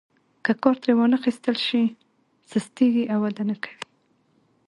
که کار ترې وانخیستل شي سستیږي او وده نه کوي.